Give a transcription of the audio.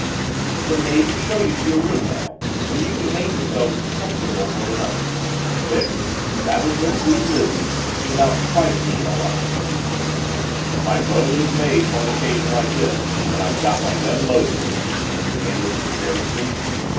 "The maid will show you to your room now and you can make yourself comfortable for the night." There that would mislead Lizzie, without being quite a lie. "My toilet is made for an occasion like this when I've got my gun loaded," answered Anderson carelessly.